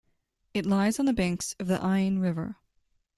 It lies on the banks of the Ain River.